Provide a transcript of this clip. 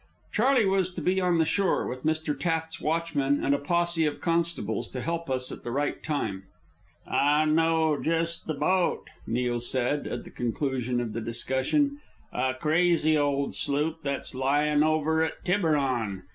Charley was to be on the shore, with Mr. Taft's watchmen and a posse of constables, to help us at the right time. "I know just the boat," Neil said, at the conclusion of the discussion, "a crazy old sloop that's lying over at Tiburon.